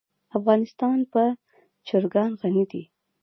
افغانستان په چرګان غني دی.